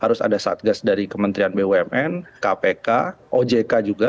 harus ada satgas dari kementerian bumn kpk ojk juga